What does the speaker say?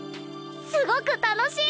すごく楽しい！